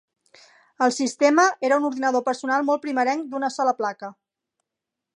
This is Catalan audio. El sistema era un ordinador personal molt primerenc d'una sola placa.